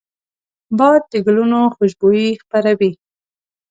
باد د ګلونو خوشبويي خپروي